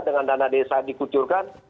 dengan dana desa dikucurkan